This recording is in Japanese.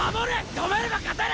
止めれば勝てる！